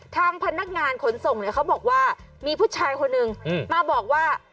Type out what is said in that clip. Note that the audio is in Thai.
ทางพนักงานขนส่งเนี่ยเขาบอกว่ามีผู้ชายคนหนึ่งมาบอกว่า